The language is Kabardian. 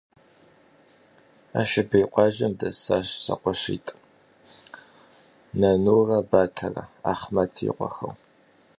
Ашабей къуажэм дэсащ зэкъуэшитӀ Нанурэ Батэрэ - Ахъмэт и къуэхэу.